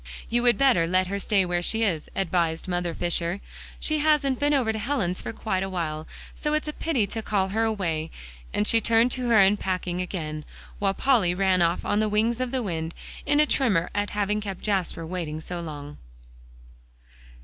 "You would better let her stay where she is," advised Mother Fisher; "she hasn't been over to Helen's for quite a while, so it's a pity to call her away," and she turned to her unpacking again, while Polly ran off on the wings of the wind, in a tremor at having kept Jasper waiting so long.